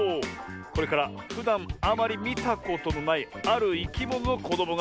これからふだんあまりみたことのないあるいきもののこどもがでてきます。